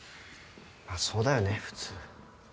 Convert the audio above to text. まあそうだよね普通。